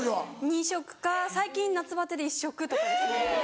２食か最近夏バテで１食とかですね。